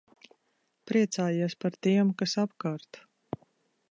Priecājies par tiem, kas apkārt.